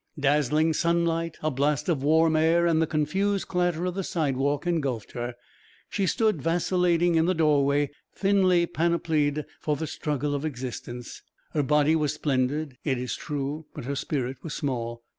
Dazzling sunlight, a blast of warm air and the confused clatter of the sidewalk engulfed her. She stood vacillating in the doorway, thinly panoplied for the struggle of existence. Her body was splendid, it is true, but her spirit was small.